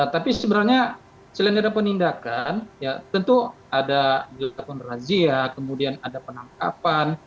tapi sebenarnya selain ada penindakan ya tentu ada dilakukan razia kemudian ada penangkapan